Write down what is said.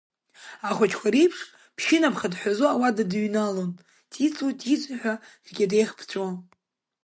Ахәыҷқәа реиԥш ԥшьынаԥха дҳәазо ауада дааҩналон, Ҵиҵу, ҵиҵу ҳәа ркьатеиах ԥҵәо.